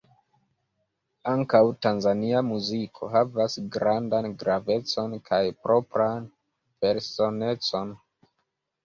Ankaŭ Tanzania muziko havas grandan gravecon kaj propran personecon.